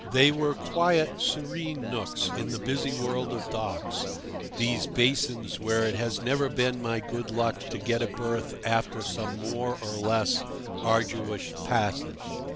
They were quiet, serene nooks in the busy world of docks, these basins where it has never been my good luck to get a berth after some more or less arduous passage.